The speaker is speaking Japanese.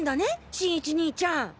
新一兄ちゃん！